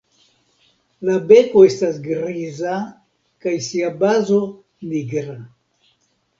La beko estas griza kaj sia bazo nigra.